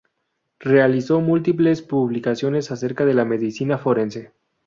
Realizó múltiples publicaciones acerca de la medicina forense.